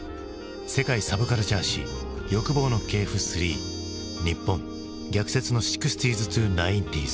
「世界サブカルチャー史欲望の系譜３日本逆説の６０−９０ｓ」。